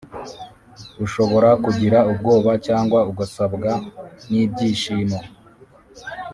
Ushobora kugira ubwoba cyangwa ugasabwa n ibyishimo